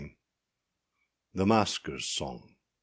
_ THE MASKERSâ SONG.